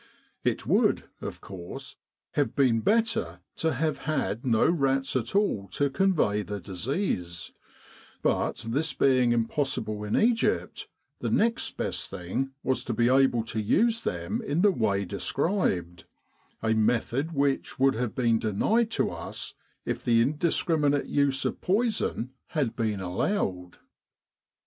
It would, of course, have been better to have had no rats at all to convey the disease ; but this being impossible in Egypt, the next best thing was to be able to use them in the way described a method which would have been denied to us if the indiscriminate use of poison had been allowed.